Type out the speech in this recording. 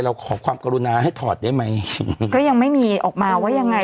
ขอความกรุณาให้ถอดได้ไหมก็ยังไม่มีออกมาว่ายังไง